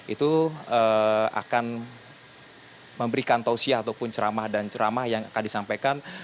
itu akan memberikan tausiah ataupun ceramah dan ceramah yang akan disampaikan